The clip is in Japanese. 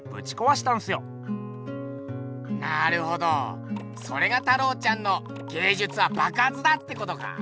なるほどそれが太郎ちゃんの芸術はばくはつだ！ってことか？